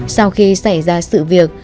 sau khi xảy ra sự việc